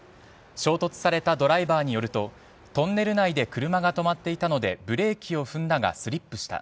衝突されたドライバーによるとトンネル内で車が止まっていたのでブレーキを踏んだがスリップした。